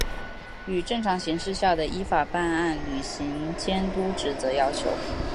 与正常形势下的依法办案、履行监督职责要求